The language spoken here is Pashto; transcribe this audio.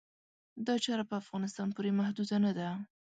دا چاره په افغانستان پورې محدوده نه ده.